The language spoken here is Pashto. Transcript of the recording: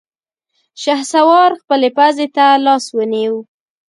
شهسوار خپلې پزې ته لاس ونيو.